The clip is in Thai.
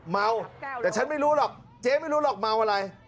เมาแต่ฉันไม่รู้หรอกเจ๊ไม่รู้หรอกเมาอะไร